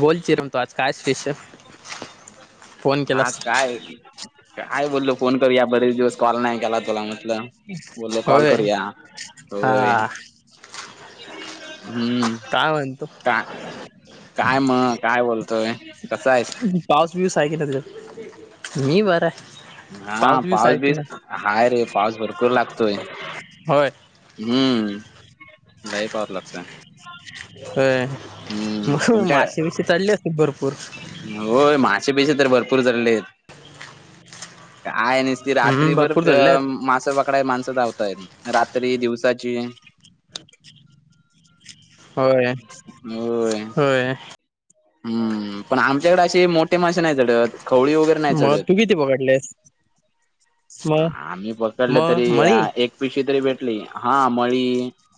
बोलची रम तो आज काय स्पेशल फोन केलास हच काय काय बोललो फोन करू या बरेच दिवस कॉल नाही केला तुला मग बोललो कॉल होय करूया हा होय. हम्म. काय म्हणतो. का काय म काय बोलतोय. कसा आहेस? पाऊस बिऊस आहे की तकडं? मी बरा आहे. हा बिऊस पाऊस आहे की बीस नाही हायरे, पाऊस भरपूर लागतोय. होय. हम्म, लय पाप लागतंय. होय, [unintelligible] मासे बिसे चालले असतील भरपूर? होय, मासे बिसे तर भरपूर चाललेत. काय निस्ती हम्म रात्रीभर भरपूर चढले आहेत मासा पकडाय माणसं धावतयात, रा त्री, दिवसाची. होय होय. होय. हम्म, पण आमच्याकडे असे मोठे मासे नाही चडत. खवळी वगैरे न्हाय मग चढत. तू किती पकडलेस मग आम्ही पकडलं मग तरी, मळी एक पिशी तरी भेटली. हा मळी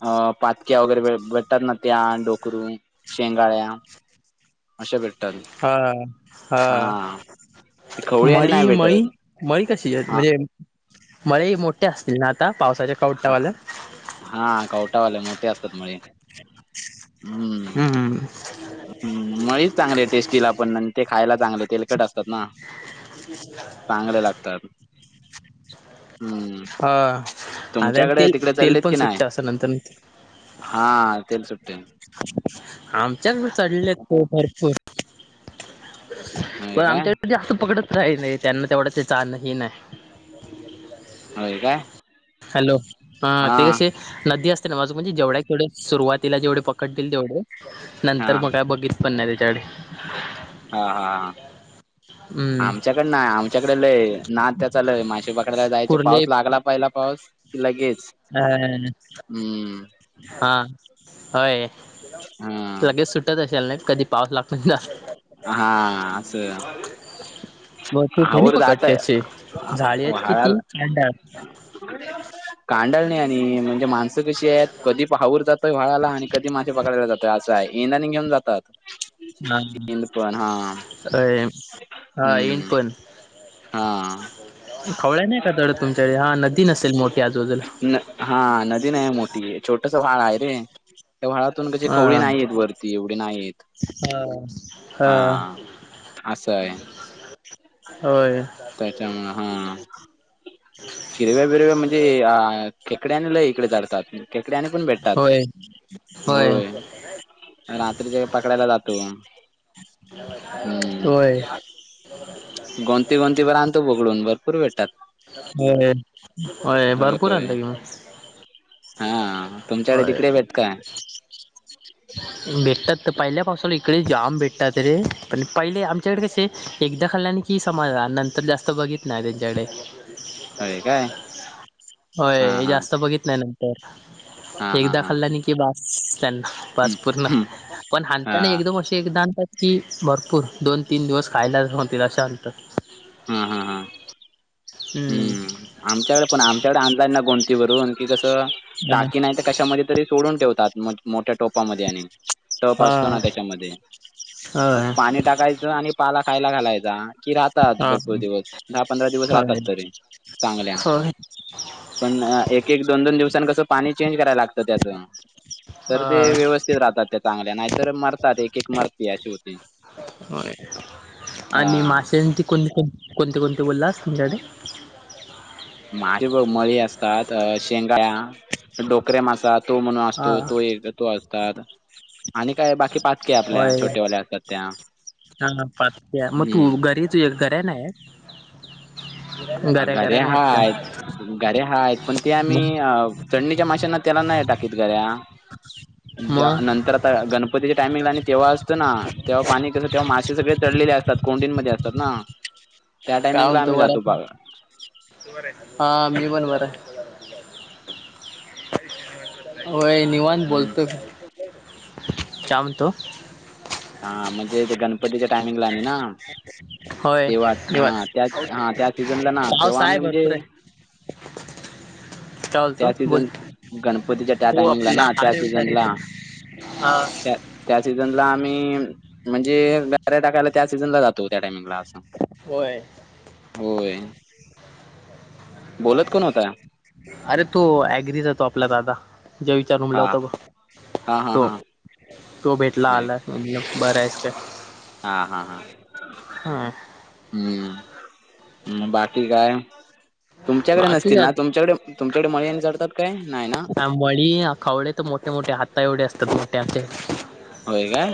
अ पाातक्या वगैरे भेटतात ना त्या डोकरूळी, शेंगाळ्या. अशा भेटतात. हा हा ते खवळी आणि नाही मळी मळी, भेटत मळी कशी आहे हा म्हणजे मळे मोठे असतील ना आता, पावसाच्या हा कवटावालं? हा कवटावाले मोठे असतात मळे. हम्म. हम्म मळीच चांगले टेस्टीलापण आणि ते खायला चांगले तेलकट असतात ना. चांगले लागतात [inaudible] हम्म. हो, [unintelligible] तुमच्याकडे तेल तिकडे चाललेत तेलपण की नाही सुटतं, असं नंतर नंतर. हा, तेल सुटते. [inaudible] आमच्यातपण चढले आहेत, हो भरपूर. होय पण काय आमच्या इकडं जास्त पकडत राही नाही, त्यांना तेवढा ते चाण हे नाही. होय काय? हॅलो, हा ते कसे? नदी असते ना, माझं म्हणजे जेवढ्याक तेवढे सुरुवातीला जेवढे पकडतील तेवढे. हा नंतर मग काय बघित पण नाय त्याच्याकडे. हा हा हा. हम्म आमच्याकड नाय आमच्याकडे लय नाद त्याचा लय. मासे पकडायला जायचे कुर्ले पाऊस लागला पहिला पाऊस की लगेच. [unintelligible] हुं. हा, होय हा लगेच सुट् टत असेल नाही, कधी पाऊस लागतोय तिला. हा असं. मग तू त्यानी आवर जातंय पकडते असे झाळी आहेत माळाला किती कांडा कांडळ नाही आणि म्हणजे माणसं कशी आहेत, कधी फवारतात व्हळाला आणि कधी मासे पकडयला जाताय, असं हाय. हेना आणि घेऊन जातात. हा हा, इंद पण हा अय हा हम्म हा [unintelligible] खवळ्या नाही का दडं तुमच्या, हा नदी नसेल मोठी आजूबाजूला. न हा नदी नाही मोठी, आहे छोटसं व्हाळ आहे रे. त्या व्हाळातून कसे खवळी हा नाहीत येत वरती, एवढी नाहीत येत. हा हा. असं हाय. होय. [unintelligible] त्याच्यामुळे हा, हिरव्या बिरव्या म्हणजे आ खेकडे आणि लय इकडे चढतात. खेकडे आणि पण भेटतात. होय होय. रात्रीचे पकडायला जातो. हम्म व्हय. गोंती गोंती भर [unintelligible] होय होय, भरपूर आलत कि मग हा तुमच्याकडे होय. तिकडे भेट काय भेटतात तर पहिल्या पावसाला इकडे जाम भेटतात रे. पण पहिले आमच्याकडे कसे, एकदा खाल्ल्याने की समाधान, नंतर जास्त बघित नाय त्यांच्याकडे. होय काय हा होय. हा जास्त बघित नाही ना. हा तर, हा एकदा हा खाल्लानी की बास त्यांना. पाच हम्म पूर्ण, हम्म पण हा हांणताणे एकदम असे दातं. ती भरपूर, दोन तीन दिवस खायला होतील असे आणत. हा हा हा. हम्म आमच्याकडे पण आमच्याकडे आणलान ना. गोंतीभरून कि, कसं टाकी नाही तर कशामध्ये तरी सोडून ठेवतात मोठ्या टोपामध्ये आणि, टप असतो ना, हा त्याच्यामध्ये होय पाणी टाकायचं आणि पाला खायला घालायचा. कि राहतात हा भरपूर दिवस, दहा पंधरा दिवस राहतात होय तरी चांगल्या. होय पण एक एक दोन दोन दिवसां कसं, पाणी चेंज करायला लागतं त्याचं. तर ते हा व्यवस्थित राहतात त्या चांगल्या, नाहीतर मरतात एक एक मरते अशी होते. होय. आणि मासेंची कोणते कोण, कोणते कोणते बोलास तुमच्याकडे. माझी मळी असतात, शेंगाळ्या डोकऱेमसात. तो म्हणून हा असतो. तो एक तो असतात. आणि काय बाकी पातके, आपल्या छोटेवाल्या असतात त्या. मग पाच त्या, मग हम्म तू घरीच ये घराया ना ये. घऱ्या नाही आहेत हाय. का घऱ्या हायत पण ते आम्ही, अ चडणीच्या माशांना त्याला नाही टाकीत घऱ्या. जा मग नंतर, ता गणपतीचे टायमिंगला आणि तेव्हा असतं ना, तेव्हा पाणी कसं, तेव्हा मासे सगळे चडलेले असतात कोंडींनमध्ये असतात ना. [inaudible] काय टायमिंगला म्हणतो, आम्ही बरा जातो बघा हायस नं. हा, मी पण बरांय. [inaudible] होय निवांत हम्म बोलतो, काय म्हणतो. हा म्हणजे ते, गणपतीच्या टाइमिंगला आणि ना. होय तेव्हा निवांत हां त्या, हा त्या सीजनला ना पाऊस तेव्हा आहे आम्ही म्हणजे, भरपूर आहे काय बोलतो त्या बोल. सीझन गणपतीच्या त्या तो टायमिंगला आपला ना, त्या अरे उतारे सीझनला हा त्या. त्या सीझनला आम्ही, म्हणजे गाऱ्या टाकायला त्या सीझनला जातो. त्या टाइमिंगला असं, होय. होय. बोलत कोण होता. अरे तो अग्री जातो आपला दादा, ज्या विचार रूमला हा होता बग. हा हा हा. तो भेटला आला. म्ह बरं आहेस काय. हा हा हा, हा हम्म बाकी काय. तुमच्याकडे बाकी नसतील काय ना, आता तुमच्याकडे तुमच्याकडे मळणी जडतात काय नाही ना. मळी खवडे तर, मोठे मोठे हाता एवढे असतात मोठे‌. होय काय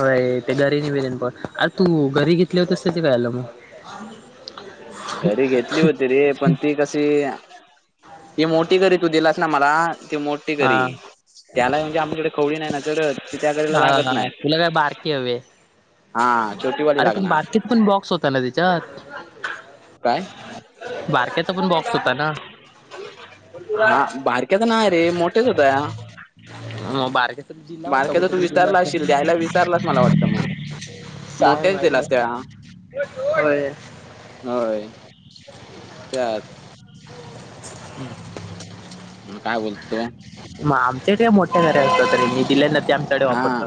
व्हय ते घरी नि बेलेन पण, अरे तू घरी घेतली होतेस ते काय झालं मग. [unintelligible] घरी घेतली होती रे पण, ती कशी ती मोठी घरी तू दिलास. तोच न मला, ते मोठ ते हा घरी त्याला म्हणजे आमच्याडे खवडी नाही ना, ते त्या कडेला लागत हा नाही. तुला काय बारकी हवे, छोटीवाली अरे पण लागणार बारकीत पण बॉक्स होता ना त्याच्यात. काय बारक्याचा पण बॉक्स होता ना हा बारक्याचा नाही रे मोठेच होत म बारगेचा जिल्हा होता तू कुठेतरी जिल्हा विसरला अस असशील द्यायला विसरलाच मला वाटतं मग काय मोठ्याच माहिित दिलास त्या नाही हो होय त्या हम्म म काय बोलतो मग आमच्याकडे मोठ्या घर्या असतो त मी दिल्यांद ते आमच्याकडे हा वापरतो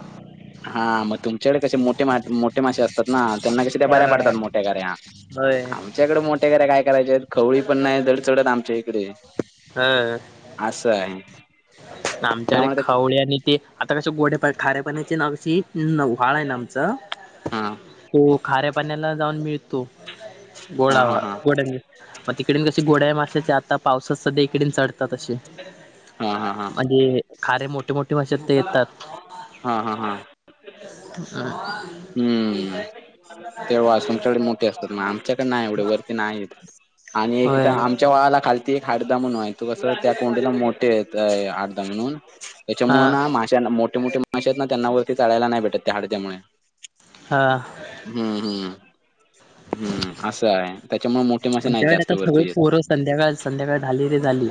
हा मग तुमच्याकडे कसे मोठे मा मोठे मासे असतात ना त्यांना कशी त्या बऱ्या अ पडतात मोठ्या घऱ्या होय आमच्याकडे मोठ्या कडे काय करायचे खवळी पण नाही जड चढत आमच्या इकडे ह असं आहे त्यामुळे ळ ते आता कस गोडे्याप खारेपणाचे ना कशी व्हाळ आहे ना आमचं हा त खारे पाण्याला जाऊन मिळतो हा हा गोडवा हा गोड मग तिकडन कशी गोड्या माश्याच्या आता पावसच सध्या इकडे चढत तसे हा हा हा. म्हजे खारे मोठे मोठे भासे ते येतात हा हा हा अम हम्म तेव्हा तुमच्याकडे मोठे असतात नाम च्या नाही एवढे वरती नाही आणि एक तर होय आमच्या वला खालती एक हादा म्हणयच तू कस त्या कोंडीला मोठे येत अर्ध म्हणून हा त्याच्यामुळे मा मोठे मोठे माणसे आहेत ना त्यांना वरतीचाायला नाही भेटत त्या हड्यामुळे हां हम्म हम्म हम्म असं आहे त्याच्यामुळे मोठे मासे नाहीत आमच्याकडे जास्त आता सगळं वरती येत पोहरं संध्याकाळ संध्याकाळ झाली रे झाली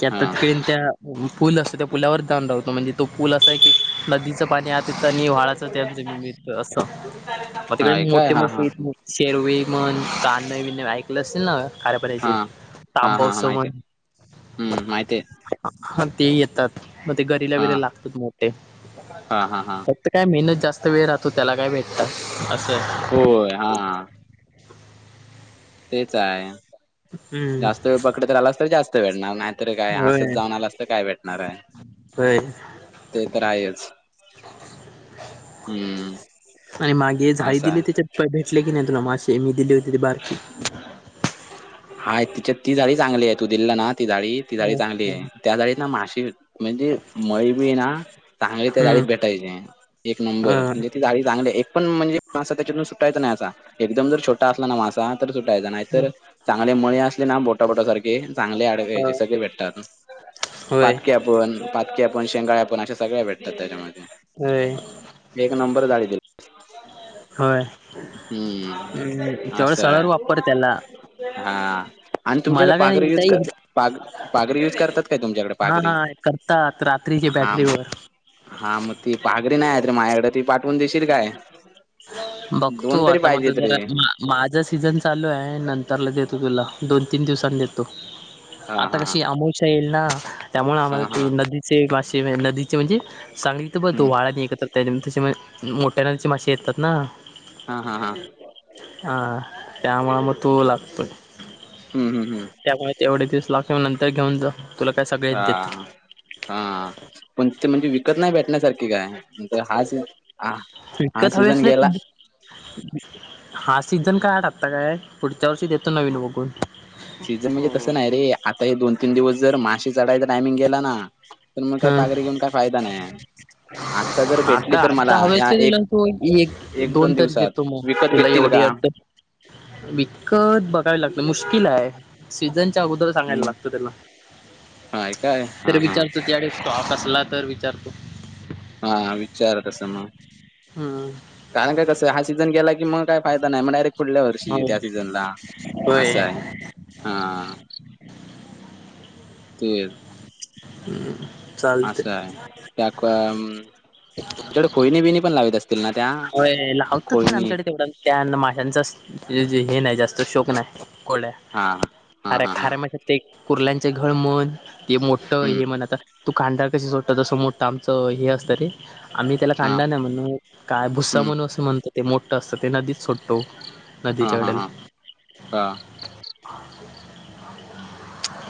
की आता हा तिकडेन त्या पूल असतो त्या पुलावर दान लावतो म्हणजे तो पूल असा आहे की नदीचं पाणी आ आणि व्हाळाच त्यां जमीळत असं मग हा तिकडे आहे काय मोठे हा हा मोठे शेरवे मण काण बिनण ऐकलं असतील ना खारेपड्याचे हा हा हा हा तांबोत्सव माहित म्हण आहे हम्म माहित आहे हा ते येतात मग ते घरीला हा बिर लागतात मोठे हा हा हा काय मेहनत जास्त वेळ राहतो त्याला काय भेटत असं होय हा तेच आहे हम्म जास्त वेळ पकडत रा आलास तररी जास्त वेळणार त काय होय हसत जाऊन आला असत काय भेटणार आहे होय ते तर आहेच हम्म आणि मागे झाडी असं आहे दिली ते भेटले की नाही तुला मासेे मी दिली होती ती बारकी हाय तिच्या ती झाडी चांगली आहे तू दिलला ना ती झाडी ती झाडी चांगली आहे त्या जाडी ना माशी म्हणजे मळी बी ना चांगली त्या जााडीत हम्म भेटायचे एक नंबर अ म्हणजे ती झाडी चांगली एक पण म्हणजे मासा त्याच्यातून सुटायचा नाही असा एकदम जर छोटा असला ना मासा सुटायचा नाहीतर चांगले मळे असले ना बोटा बोटारे चांगले स होय भे आपण पातक्या पण शेंगाळा पण अशे सगळे भेटतात त्याच्यामध्ये हो एक नंबर जाली ती होय हम् हम्म तेवढं असं सळवर आहे वापर त्याला हा आणि तुमच्याकडे मला काय पाघर युज नाही पाघर युज करतात काय तुमच्याकडे पा हा करतात रात्रीचे बॅटरीवर हा मग ती पागरी नाही आहे रे माझ्याकडे ती पाठवून दिशील काय बघतो, दोन तरी आता माझं पाहिजेत रे जरा माझं सीझन चालू आहे नंतरला देतो तुला. दोन तीन दिवसांनी देतो. हा आता हा कशी हा अमवशा येईल ना, त्यामुळे हा आम्हाला हा ते नदी चे [unintelligible] नदीचे म्हणजे सांगली हम्म तर [unintelligible] त्याच्यामध्ये त्याच्यामुळे मोठ्या नदीचे मासे येतात ना, हा हा हा हा. त्यामुळं मग तो लागतोय. हम्म हम्म हम्म त्यामुळे तेवढे तीस लाख येऊन नंतर घेऊन जा. तुला काय हा सगळेच देतो हा, पण ते म्हणजे विकत नाही भेटण्यासारखे काय, म्हणजे हाच ह हा विकत हवे सीझन असले तर गेला दे. हा सीझन काय अडकता काय, पुढच्या वर्षी देतो नवीन बघून. सीझन म्हणजे तसं नाही रे, आता हे दोन तीन दिवस जर मासे चढायचं टायमिंग गेला ना, तर मग काही हम्म पागरी घेऊन काय फायदा नाही. आत्ता जर भेटली आता तर, आता मला हवेच या तुला एक तो एक दोन तरी दिवसात देतो मग विकत तुला भेटतील एवढी का? [inaudible] अडचण विकत बघाय लागत, मुश्किल आहे सीझनच्या अगोदर सांगायला हम्म लागतं त्याला. हाय काय हा तर हा विचारतो [unintelligible] कसला तर विचारतो हा विचार कसं मग हम्म् कारण काय कसंय, हा सीझन गेला की मग काय फायदा नाही मग डायरेक्ट पुुढल्या वर्षी, हो त्या सीझनला असा होय आहे हा. [unintelligible] [unintelligible] असयं. त्या तुमच्याकडे खोईनी बिणी पण लागत असतील ना त्या, होय लावतात पण खोईनी आमच्याकडे तेवढा त्या माश्यांचा हे नाही जास्त शोक नाही. कोळ्या हा हा अरे हा हा खारे माशांचे, ते कुर्ल्यांचे घळ म्हण ते मोठ हम्म हे म्हणत तू कांदा कशी सोडतं, तसं मोठं आमच हे असतं रे आम्ही त्याला हा कांडा नाही म्हणत, काय भुस्सा हम्म म्हणून असं म्हणत ते मोठं असतं, ते नदीत सोडतो. हा नदीच्या हा हा, कडेला हा.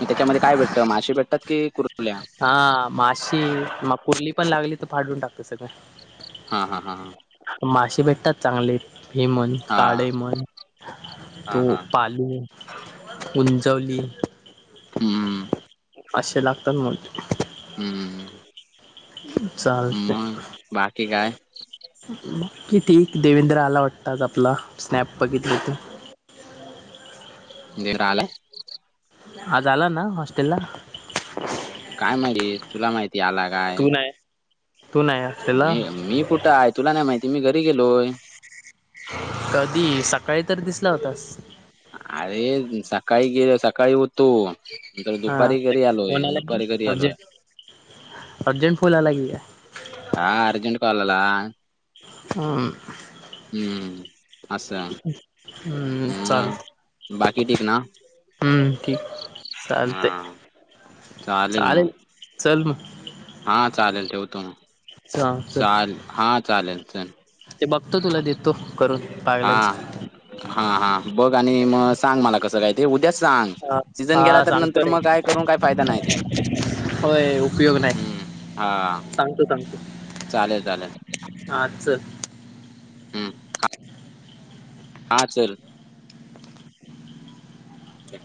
त्याच्यामध्ये काय भेटतं माशे भेटतात, की कुर्ल्या? हा माशे, मग कुर्ली पण लागली तर फाडून टाकत सगळं. हा हा हा हा. मासे भेटतात चांगले, हे म्हन हा काढे म्हण तो हा हा पाले उंचवली हम्म असे लागतात म हम्म, मग बाकी काय? मग किती, देवेंद्र आला वाटत आज आपला, स्नॅप बघितलं ते. देवरा आलाय? आज आला ना हॉस्टेल ला? काय माहिती? तुला माहिती आला काय, नाही तू नाही म असलेला मी कुठं आहे तुला नाही माहिती, मी घरी गेलोय. कधी? सकाळी तर दिसला होतास. अरे सकाळी गेले सकाळी हो तो, नंतर हा दुपारी घरी आलोय, फोन दुपारी घरी आलोय. अर्जेंट [unintelligible] हा अर्जेंट कॉल आला. हम हम्म असं, हम्, बाकी ठीक ना? हम्म ठीक. हा चालतंय, चालेल चल मग. हा चालेलेवतो ना हा चल चालेल हा चालेल स ते बघतो तुला देतो करून हा पागल्याच हा हा बघ आणि मग सांग मला कसं काय ते उद्याच सांग हा सीझन गेला हा तर सांगतो नंतर रे मग काय करून काही फायदा नाही ते होय उपयोग नाही हम्म हा सांगतो सांगतू चालेल चालेल आच हम्म हा सर हा ते